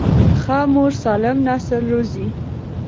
ښه مور سالم نسل روزي.